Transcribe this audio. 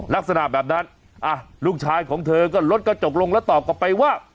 ลักษณะแบบนั้นลูกชายของเธอก็ลดกระจกลงแล้วตอบกลับไปว่า